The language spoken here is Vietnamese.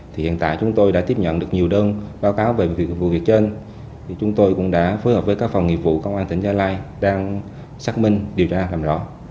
thì hiện tại chúng tôi đã tiếp nhận được nhiều đơn báo cáo về việc vụ việc trên thì chúng tôi cũng đã phối hợp với các phòng nghiệp vụ công an tỉnh gia lai đang xác minh điều tra làm rõ